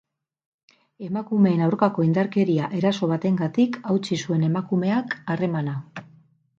Emakumeen aurako indarkeria eraso batengatik hautsi zuen emakumeak harremana.